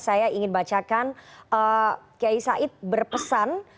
saya ingin bacakan kiai said berpesan